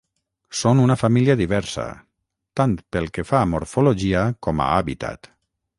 Són una família diversa, tant pel que fa a morfologia com a hàbitat.